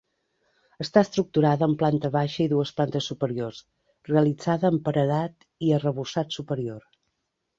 Està estructurada amb planta baixa i dues plantes superiors, realitzada amb paredat i arrebossat superior.